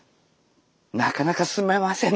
なかなか進めませんね。